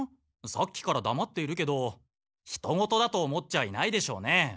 さっきからだまっているけどひと事だと思っちゃいないでしょうね？